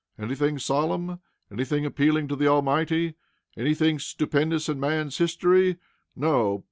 Anything solemn? Anything appealing to the Almighty? Anything stupendous in man's history? No!